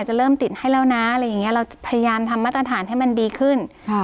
จะเริ่มติดให้แล้วนะเราพยายามทำมาตรฐานให้มันดีขึ้น